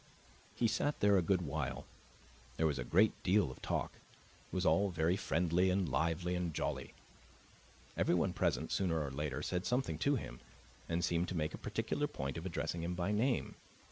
He sat there a good while: there was a great deal of talk; it was all very friendly and lively and jolly. Everyone present, sooner or later, said something to him, and seemed to make a particular point of addressing him by name.